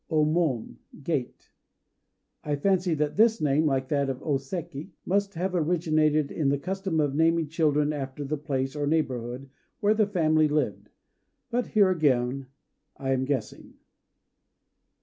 O Mon "Gate." I fancy that this name, like that of O Séki, must have originated in the custom of naming children after the place, or neighborhood, where the family lived. But here again, I am guessing.